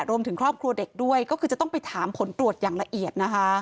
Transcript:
รวมถึงครอบครัวเด็กด้วยก็คือจะต้องไปถามผลตรวจอย่างละเอียดนะคะ